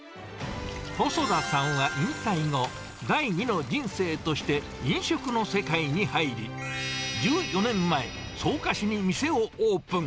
細田さんは引退後、第二の人生として飲食の世界に入り、１４年前、草加市に店をオープン。